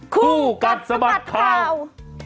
ครูกัดสมัครข่าว